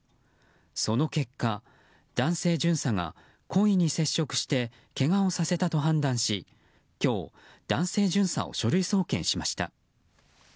その結果、男性巡査が故意に接触してけがをさせたと判断し今日男性巡査を書類送検しました。